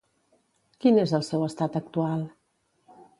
Quin és el seu estat actual?